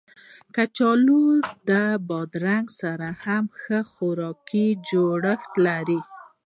کچالو د بادرنګ سره هم خوراکي جوړښت لري